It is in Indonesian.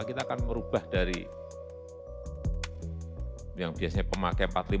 kita akan merubah dari yang biasanya pemakai empat puluh lima